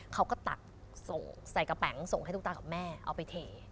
เค้าก็ตักส่วงใส่กะแป๋งส่วงให้ทุกตาและแม่เอาไปเผ